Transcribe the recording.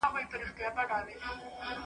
زه مړۍ نه پخوم!؟